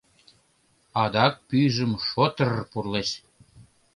Адак пӱйжым шотыр-р пурлеш.